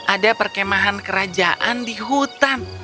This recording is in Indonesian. ada perkemahan kerajaan di hutan